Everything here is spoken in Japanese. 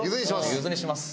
ゆずにします。